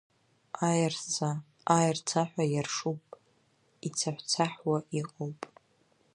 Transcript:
Аиа рца, аиа рцаҳәа иа ршуп, ицаҳә-цаҳәуа иҟоуп…